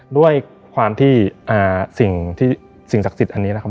ด้วยความที่สิ่งศักดิ์สิทธิ์อันนี้นะครับ